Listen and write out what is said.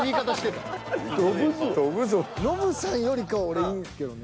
ノブさんよりかは俺いいんすけどね。